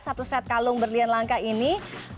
satu set kalung berlian langka ini